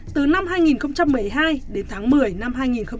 từ năm hai nghìn một mươi hai đến tháng một mươi năm hai nghìn một mươi bảy